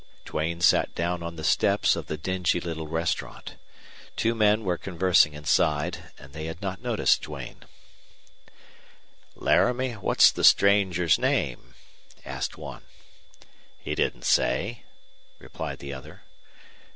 Duane sat down on the steps of the dingy little restaurant. Two men were conversing inside, and they had not noticed Duane. "Laramie, what's the stranger's name?" asked one. "He didn't say," replied the other.